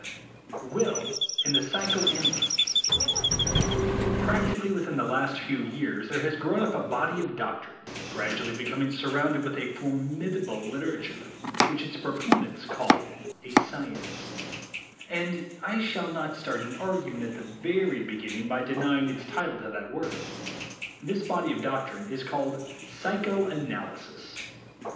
XI WILL AND THE PSYCHOANALYSTS iRACTICALLY within the last few years there has grown up a body of doctrine, gradually be coming surrounded with a formidable literature, which its proponents call a "science" ; and I shall not start an argument at the very beginning by denying its title to that word. This body of doctrine is called "psychoanalysis."